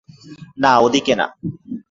না, ওদিকে না।